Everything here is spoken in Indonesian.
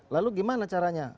lalu gimana caranya